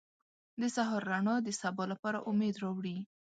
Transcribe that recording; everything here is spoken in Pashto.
• د سهار رڼا د سبا لپاره امید راوړي.